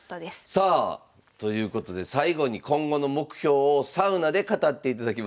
さあということで最後に今後の目標をサウナで語っていただきました。